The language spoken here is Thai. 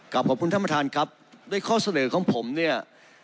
ขอบคุณท่านประธานครับด้วยข้อเสนอของผมเนี่ย